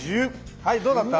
はいどうだった？